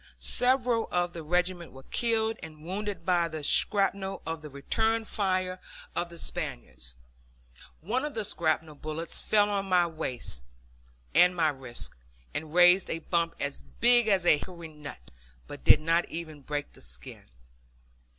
Several of the regiment were killed and wounded by the shrapnel of the return fire of the Spaniards. One of the shrapnel bullets fell on my wrist and raised a bump as big as a hickory nut, but did not even break the skin.